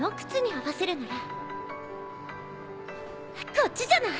こっちじゃない？